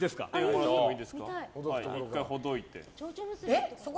１回、ほどいて。